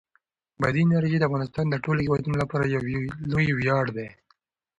بادي انرژي د افغانستان د ټولو هیوادوالو لپاره یو ویاړ دی.